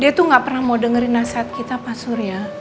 dia tuh gak pernah mau dengerin nasihat kita pak surya